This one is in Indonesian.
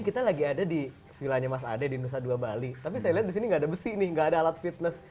kita lagi ada di villanya mas ade di nusa dua bali tapi saya lihat di sini nggak ada besi nih nggak ada alat fitness